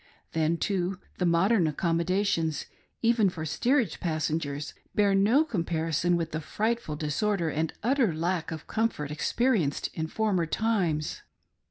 Then too the modern accommodations — even for steerage passengers — bear no comparison with the frightful disorder and utter lack of com fort experienced in former times.